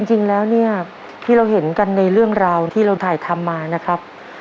จริงแล้วเนี่ยที่เราเห็นกันในเรื่องราวที่เราถ่ายทำมานะครับ